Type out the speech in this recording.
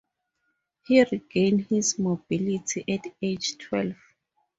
He regained his mobility at age twelve.